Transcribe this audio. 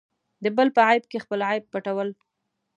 د بل په عیب کې خپل عیب پټول.